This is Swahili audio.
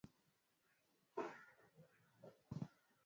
ni kundi linalotetea dini ya kiislamu